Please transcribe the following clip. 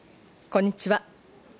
こんにちは。